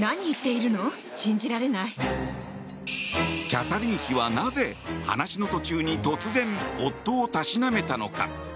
キャサリン妃はなぜ話の途中に突然、夫をたしなめたのか。